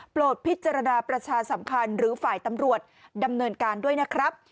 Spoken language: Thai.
โปรดพิจารณาประชาสัมพันธ์หรือฝ่ายตำรวจดำเนินการด้วยนะครับ